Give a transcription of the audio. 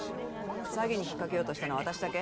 詐欺に引っかけようとしたのは私だけ？